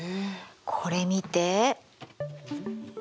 これ見て。